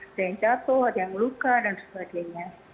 ada yang jatuh ada yang luka dan sebagainya